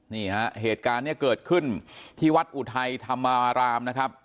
นี่ฮะเหตุการณ์เนี่ยเกิดขึ้นที่วัดอุทัยธรรมารามนะครับ